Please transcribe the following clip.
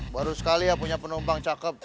baru sekali ya punya penumpang cakep